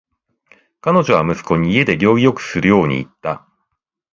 彼女は息子に家で行儀よくするように言った。